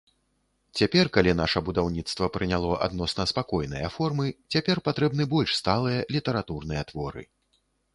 Цяпер, калі наша будаўніцтва прыняло адносна спакойныя формы, цяпер патрэбны больш сталыя літаратурныя творы.